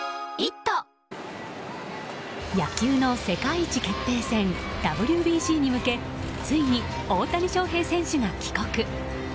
野球の世界一決定戦ＷＢＣに向けついに大谷翔平選手が帰国。